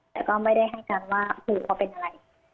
แต่ก็ไม่ได้ให้การว่าปู่เขาเป็นอะไร